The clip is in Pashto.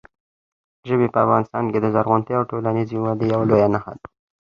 ژبې په افغانستان کې د زرغونتیا او ټولنیزې ودې یوه لویه نښه ده.